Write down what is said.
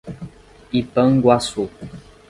Ipanguaçu